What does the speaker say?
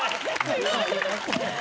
すごい！